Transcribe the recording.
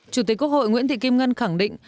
chủ tịch quốc hội nguyễn thị kim ngân khẳng định